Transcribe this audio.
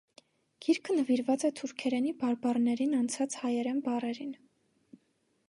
Գիրքը նվիրված է թուրքերենի բարբառներին անցած հայերեն բառերին։